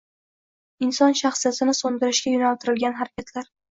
inson shaxsiyatini so‘ndirishga yo‘naltirilgan harakatlar